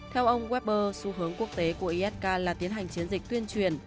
theo ông westber xu hướng quốc tế của isk là tiến hành chiến dịch tuyên truyền